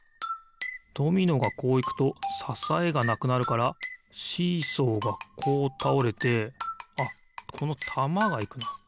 ドミノがこういくとささえがなくなるからシーソーがこうたおれてあっこのたまがいくな。